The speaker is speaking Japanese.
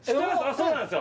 そうなんですよ